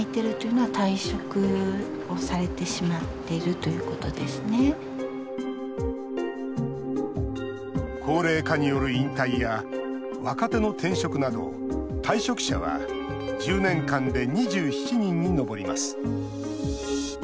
ところが高齢化による引退や若手の転職など退職者は１０年間で２７人に上ります。